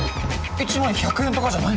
１枚１００円とかじゃないの！？